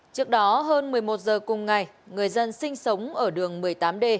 trước đó hơn một mươi một giờ cùng ngày người dân sinh sống ở đường một mươi tám d